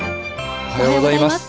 おはようございます。